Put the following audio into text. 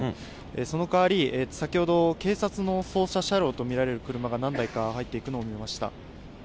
その代わり、先ほど警察の捜査車両と見られる車が何台か入っていくのを見ました。